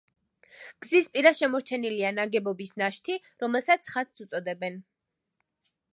გზის პირას შემორჩენილია ნაგებობის ნაშთი, რომელსაც ხატს უწოდებენ.